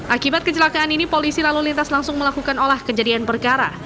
akibat kecelakaan ini polisi lalu lintas langsung melakukan olah kejadian perkara